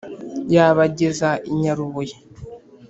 yabageza i nyarubuye.